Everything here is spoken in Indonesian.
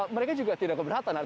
mereka juga tidak keberatan